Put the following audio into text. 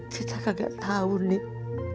kita kagak tahu nih